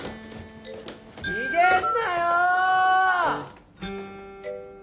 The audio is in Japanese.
・逃げんなよ！